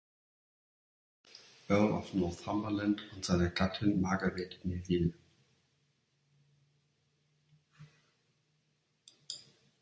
Earl of Northumberland, und seiner Gattin Margaret Neville.